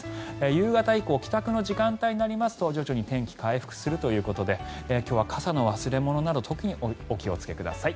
夕方以降帰宅の時間帯になりますと徐々に天気が回復するということで今日は傘の忘れ物など特にお気をつけください。